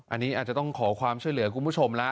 อันนี้อาจจะต้องขอความช่วยเหลือคุณผู้ชมแล้ว